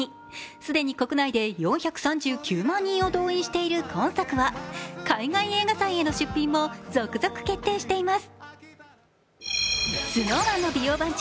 既に国内で４３９万人を動員している今作は海外映画祭への出品も続々と決定しています。